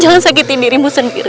jangan sakiti dirimu sendiri